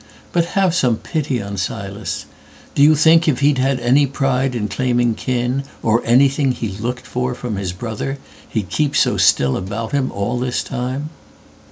But have some pity on Silas. Do you thinkIf he'd had any pride in claiming kinOr anything he looked for from his brother, He'd keep so still about him all this time?"